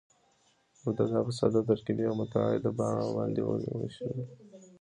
مبتداء په ساده، ترکیبي او متعدده باندي وېشل سوې ده.